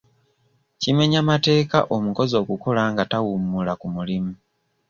Kimenya mateeka omukozi okukola nga tawummula ku mulimu.